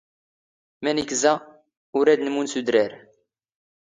ⵎⴰⵏⵉⴽ ⵣⴰ, ⵓⵔ ⴰⴷ ⵏⵎⵓⵏ ⵙ ⵓⴷⵔⴰⵔ.